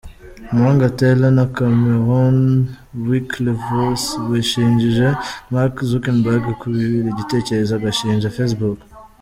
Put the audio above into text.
Impanga Tyler na Cameron Winklevoss bashinjije Mark Zuckerberg kubibira igitekerezo agashinga Facebook.